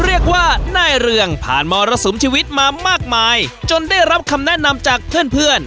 เรียกว่านายเรืองผ่านมรสุมชีวิตมามากมายจนได้รับคำแนะนำจากเพื่อนเพื่อน